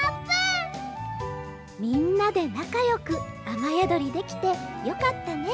みんなでなかよくあまやどりできてよかったね